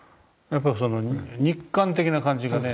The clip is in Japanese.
やっぱり肉感的な感じがね